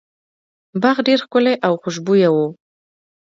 باغ ډیر ښکلی او خوشبويه و.